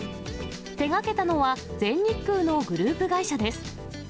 手がけたのは、全日空のグループ会社です。